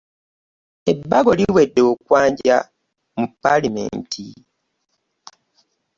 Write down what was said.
Ebbago liweddde okwanja mu ppaalamenti.